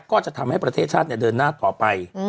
ก็จะทำให้ประเทศชาติเดินหน้าต่อไป